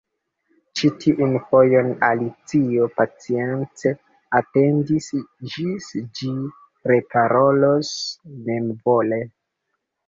Ĉi tiun fojon Alicio pacience atendis ĝis ĝi reparolos memvole.